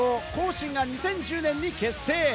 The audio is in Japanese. ＳＨＩＮが２０１０年に結成。